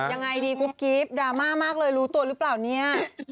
ยังไงดีกุ๊บกิ๊บดราม่ามากเลยรู้ตัวหรือเปล่าเนี่ย